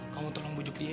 kamu tolong bujuk dia ya